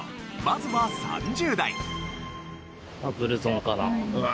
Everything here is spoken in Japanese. まずは３０代。